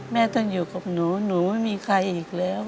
แม่ต้องอยู่กับหนูหนูไม่มีใครอีกแล้ว